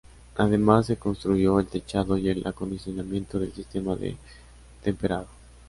Además se construyó el techado y el acondicionamiento del sistema de temperado.